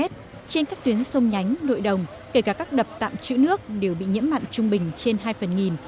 trên các tuyến sông nhánh nội đồng kể cả các đập tạm chữ nước đều bị nhiễm mặn trung bình trên hai phần nghìn